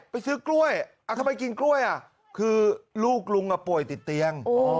ไปซื้อกล้วยทำไมกินกล้วยคือลูกลุงป่วยติดเตียง